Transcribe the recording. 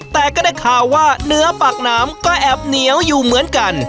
แต่ก็ได้ข่าวว่าเนื้อปากน้ำก็แอบเหนียวอยู่เหมือนกัน